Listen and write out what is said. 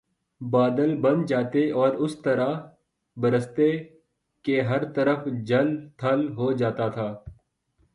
بادل بن جاتے اور اس طرح برستے کہ ہر طرف جل تھل ہو جاتا تھا